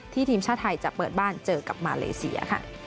ทีมชาติไทยจะเปิดบ้านเจอกับมาเลเซียค่ะ